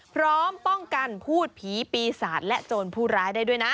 พร้อมป้องกันพูดผีปีศาจและโจรผู้ร้ายได้ด้วยนะ